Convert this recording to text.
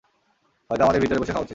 হয়তো আমাদের ভিতরে বসে খাওয়া উচিত।